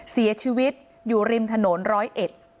เสียชีวิตอยู่ริมถนนร้อยเอ็ด